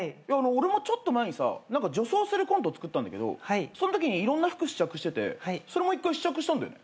俺もちょっと前にさ何か女装するコントつくったんだけどそのときにいろんな服試着しててそれも１回試着したんだよね。